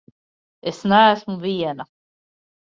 Es neesmu viena!